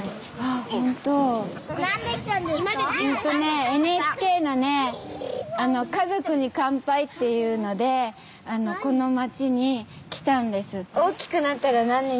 えとねＮＨＫのね「家族に乾杯」っていうのでこの町に来たんです。